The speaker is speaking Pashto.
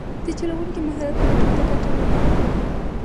د چلوونکي مهارت موټر ته ګټه لري.